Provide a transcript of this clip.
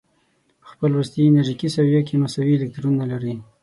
په خپل وروستي انرژیکي سویه کې مساوي الکترونونه لري.